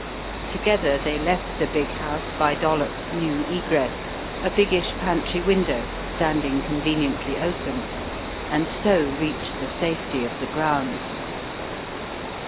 Together they left the big house by Dollops' new egress, a biggish pantry window standing conven iently open, and so reached the safety of the grounds.